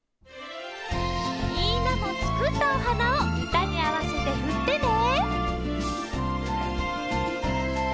みんなもつくったお花をうたにあわせてふってね！